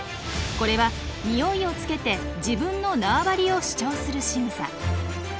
これはニオイをつけて自分の縄張りを主張するしぐさ。